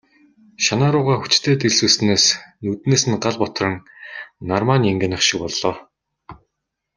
Шанаа руугаа хүчтэй дэлсүүлснээс нүднээс нь гал бутран, нармай нь янгинах шиг болно.